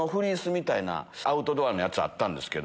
アウトドアのやつあったんですけど。